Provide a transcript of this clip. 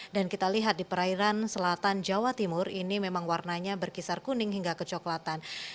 dan kita lihat di perairan selatan jawa timur ini memang warnanya berkisar kuning hingga kecoklatan